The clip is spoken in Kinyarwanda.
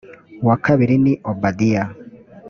uwa kabiri ni obadiya